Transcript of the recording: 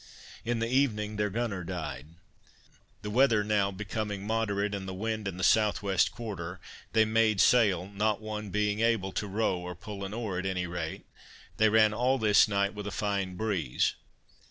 In the evening their gunner died. The weather now becoming moderate and the wind in the S. W. quarter, they made sail, not one being able to row or pull an oar at any rate; they ran all this night with a fine breeze.